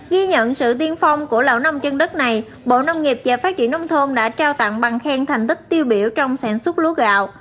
ghi nhận sự tiên phong của lão năm chân đất này bộ nông nghiệp và phát triển nông thôn đã trao tặng bằng khen thành tích tiêu biểu trong sản xuất lúa gạo